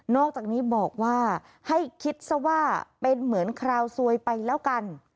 อกจากนี้บอกว่าให้คิดซะว่าเป็นเหมือนคราวซวยไปแล้วกัน